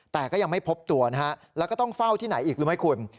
แต่ก็ยังไม่พบตัวนะฮะแล้วก็ต้องเฝ้าที่ไหนอีกรู้ไหมคุณ